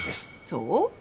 そう？